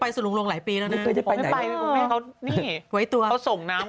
แต่อยากรู้ว่า๑๑เริ่มจากที่ไหนก่อนบ่วนนะ